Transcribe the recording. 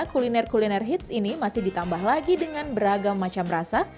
kuliner kuliner hits ini masih ditambah lagi dengan beragam macam rasa